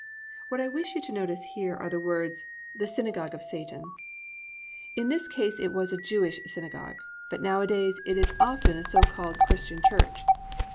"+ What I wish you to notice here are the words, "The synagogue of Satan." In this case it was a Jewish synagogue, but now a days, it is often a so called Christian church.